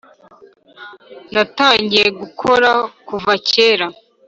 natangiye gukora kuva kera